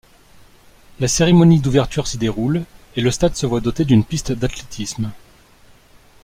La cérémonie d'ouverture s'y déroule et le stade se voit doté d'une piste d'athlétisme.